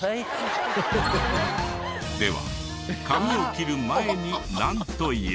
では髪を切る前になんと言う？